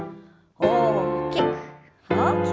大きく大きく。